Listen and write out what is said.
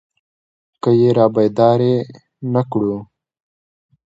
که يې رابيدارې نه کړو.